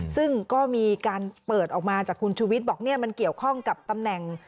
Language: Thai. ซึ่งก็มีการเปิดออกมาจากคุณชูวิทย์บอกเนี่ยมันเกี่ยวข้องกับตำแหน่ง